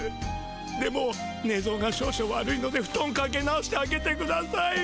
でもねぞうが少々悪いのでふとんかけ直してあげてください。